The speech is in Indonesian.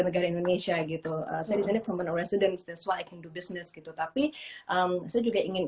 negara indonesia gitu saya disini from the residence desa i can do business gitu tapi saya juga ingin